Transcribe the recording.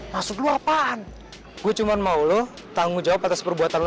masuk lu apaan gue cuman mau lo tanggung jawab atas perbuatan tadi